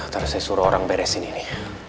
terus saya suruh orang beresin ini